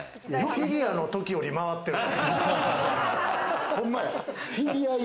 フィギュアの時より回ってる。